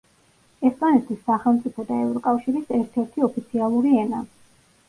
ესტონეთის სახელმწიფო და ევროკავშირის ერთ-ერთი ოფიციალური ენა.